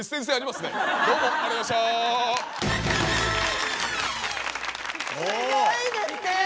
すギョいですね！